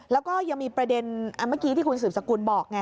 แล้วก็ยังมีประเด็นเมื่อกี้ที่คุณสืบสกุลบอกไง